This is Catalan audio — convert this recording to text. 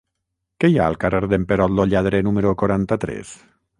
Què hi ha al carrer d'en Perot lo Lladre número quaranta-tres?